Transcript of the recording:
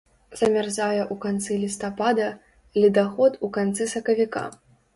Замярзае ў канцы лістапада, ледаход у канцы сакавіка.